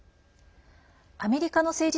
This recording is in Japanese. アメリカの政治